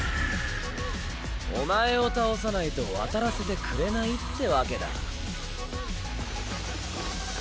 お前を倒さないと渡らせてくれないってわけだ。